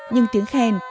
nhưng tiếng khèn